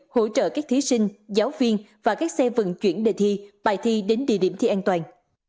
hỗ trợ các thí sinh giáo viên và các xe vận chuyển đề thi bài thi đến địa điểm thi an toàn